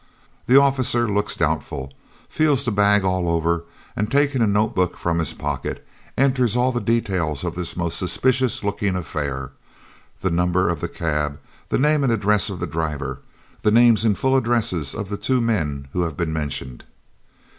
The officer looks doubtful, feels the bag all over and, taking a notebook from his pocket, enters all the details of this most suspicious looking affair, the number of the cab, the name and address of the driver, the names and full addresses of the two men who have been mentioned.